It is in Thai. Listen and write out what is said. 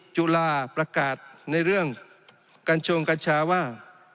จุฬาประกาศในเรื่องกัญชงกัญชาว่า